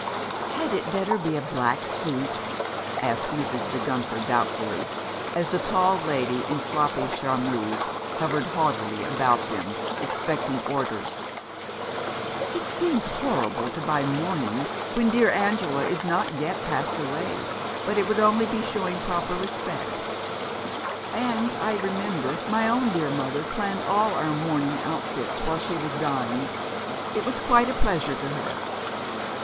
"Had it better be a black suit?" asked Mrs. De Guenther doubtfully, as the tall lady in floppy charmeuse hovered haughtily about them, expecting orders. "It seems horrible to buy mourning when dear Angela is not yet passed away, but it would only be showing proper respect; and I remember my own dear mother planned all our mourning outfits while she was dying. It was quite a pleasure to her."